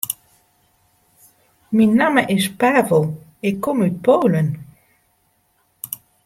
Myn namme is Pavel, ik kom út Poalen.